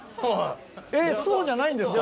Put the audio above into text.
えっそうじゃないんですか？